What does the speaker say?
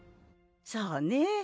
そうね。